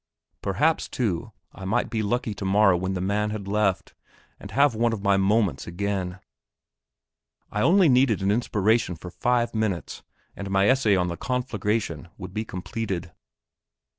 Perhaps, too, I might be lucky tomorrow when the man had left, and have one of my moments again; I only needed an inspiration for five minutes, and my essay on the conflagration would be completed.